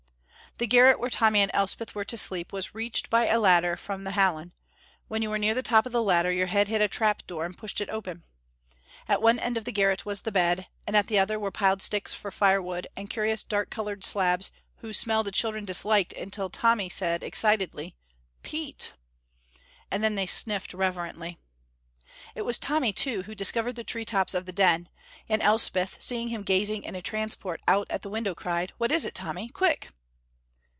The garret where Tommy and Elspeth were to sleep was reached by a ladder from the hallan; when you were near the top of the ladder your head hit a trap door and pushed it open. At one end of the garret was the bed, and at the other end were piled sticks for firewood and curious dark colored slabs whose smell the children disliked until Tommy said, excitedly, "Peat!" and then they sniffed reverently. It was Tommy, too, who discovered the tree tops of the Den, and Elspeth seeing him gazing in a transport out at the window cried, "What is it, Tommy? Quick!"